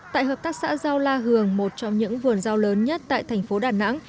tại hợp tác xã rau la hường một trong những vườn rau lớn nhất tại thành phố đà nẵng